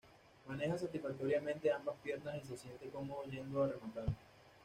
Maneja satisfactoriamente ambas piernas y se siente cómodo yendo a rematar.